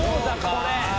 これ。